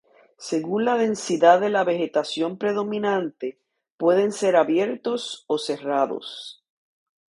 Según la densidad de la vegetación predominante, pueden ser abiertos o cerrados.